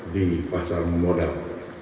di pasar modal